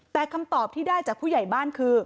แต่คำตอบที่ได้จากผู้ใหญ่บ้านคือ